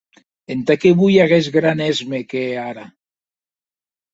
Entà qué voi aguest gran èsme qu’è ara?